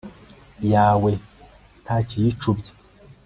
yawe nta kiyicubya